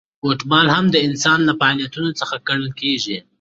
فوټبال هم د انسان له فعالیتونو څخه ګڼل کیږي.